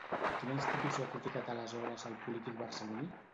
A quina institució ha criticat aleshores el polític barceloní?